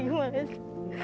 saya mau beli